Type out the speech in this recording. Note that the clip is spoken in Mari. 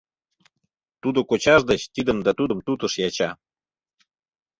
Тудо кочаж деч тидым да тудым тутыш яча.